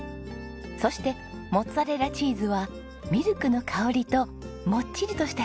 そしてモッツァレラチーズはミルクの香りともっちりとした食感が大人気。